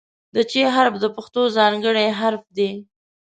د "چ" حرف د پښتو ځانګړی حرف دی.